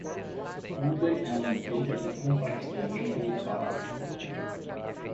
Uber é uma empresa de compartilhamento de carros.